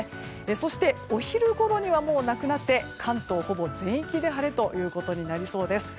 そしてお昼ごろにはなくなって関東ほぼ全域で晴れということになりそうです。